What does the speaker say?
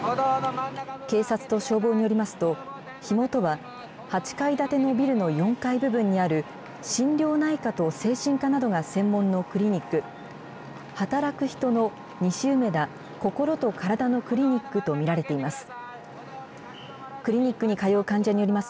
警察と消防によりますと、火元は８階建てのビルの４階部分にある、心療内科と精神科などが専門のクリニック、働く人の西梅田こころとからだのクリニックと見られています。